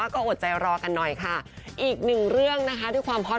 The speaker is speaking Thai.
ซื้อขนลับที่เขาโดนกันทั้งโรงการหนะคุณผู้ชมค่ะ